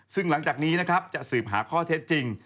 ซึ่งหลังจากนี้นะครับจะสืบหาข้อเท็จจริง